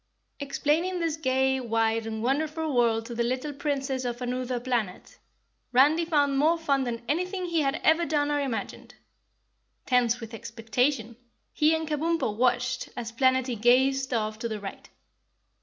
Explaining this gay, wide and wonderful world to the little Princess of Anuther Planet, Randy found more fun than anything he had ever done or imagined. Tense with expectation, he and Kabumpo watched as Planetty gazed off to the right.